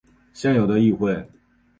现有的议会。